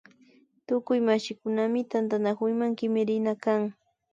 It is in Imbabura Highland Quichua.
Tukuy mashikunami tantanakuyma kimirina kan